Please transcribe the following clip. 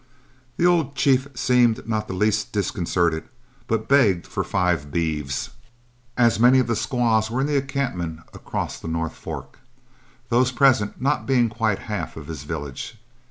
The old chief seemed not the least disconcerted, but begged for five beeves, as many of the squaws were in the encampment across the North Fork, those present being not quite half of his village.